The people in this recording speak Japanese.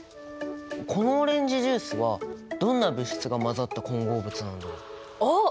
このオレンジジュースはどんな物質が混ざった混合物なんだろう？おっ！